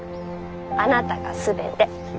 「あなたがすべて」。